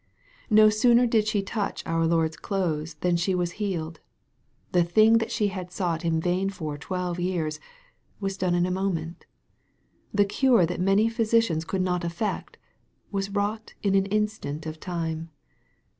No sooner did she touch our Lord's clothes than she was healed. The thing that she had sought in vain for twelve years, was done in a moment. The cure that many physicians could not effect, was wrought in an in stant of time.